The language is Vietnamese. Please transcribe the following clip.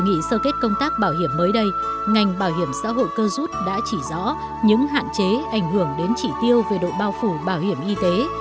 trong khi sơ kết công tác bảo hiểm mới đây ngành bảo hiểm xã hội cơ rút đã chỉ rõ những hạn chế ảnh hưởng đến chỉ tiêu về độ bao phủ bảo hiểm y tế